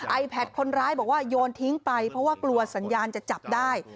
ไอแพทคนร้ายบอกว่าโยนทิ้งไปเพราะว่ากลัวสัญญาณจะจับได้